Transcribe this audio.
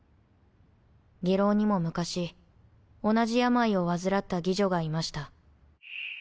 妓楼にも昔同じ病を患った妓女がいました。